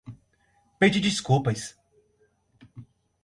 Pedir desculpas